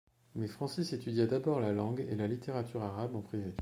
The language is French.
Mais Francis étudia d'abord la langue et la littérature arabes en privé.